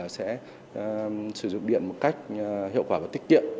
sẽ sử dụng điện một cách hiệu quả và tiết kiệm